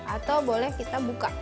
atau boleh kita buka